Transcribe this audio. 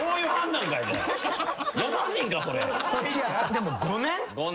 でも５年？